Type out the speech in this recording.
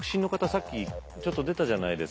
さっきちょっと出たじゃないですか。